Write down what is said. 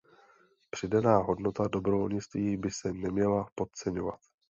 Přidaná hodnota dobrovolnictví by se neměla podceňovat.